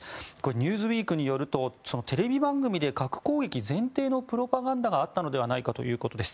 「ニューズウィーク」によるとテレビ番組で核攻撃前提のプロパガンダがあったのではないかということです。